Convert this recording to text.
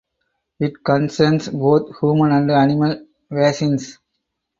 It concerns both human and animal vaccines.